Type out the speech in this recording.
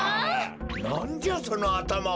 なんじゃそのあたまは！？